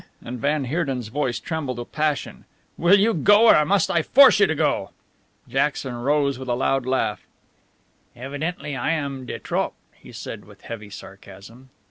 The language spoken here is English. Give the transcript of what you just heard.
and van Heerden's voice trembled with passion "will you go or must I force you to go?" Jackson rose with a loud laugh. "Evidently I am de trop," he said with heavy sarcasm.